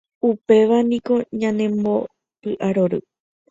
Upévaniko ñanembopy'arory